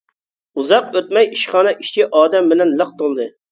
ئۇزاق ئۆتمەي ئىشخانا ئىچى ئادەم بىلەن لىق تولدى.